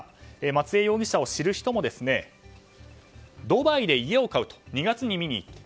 松江容疑者を知る人もドバイで家を買うと２月に見に行った。